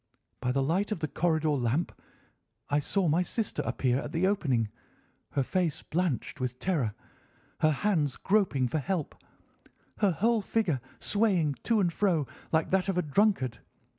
By the light of the corridor lamp I saw my sister appear at the opening, her face blanched with terror, her hands groping for help, her whole figure swaying to and fro like that of a drunkard.